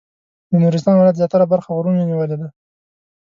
د نورستان ولایت زیاتره برخه غرونو نیولې ده.